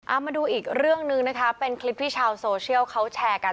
เอามาดูอีกเรื่องหนึ่งนะคะเป็นคลิปที่ชาวโซเชียลเขาแชร์กัน